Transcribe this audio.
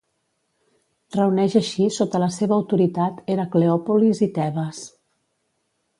Reuneix així sota la seva autoritat Heracleòpolis i Tebes.